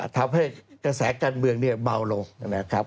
ทำให้กระแสการเมืองเนี่ยเบาลงนะครับ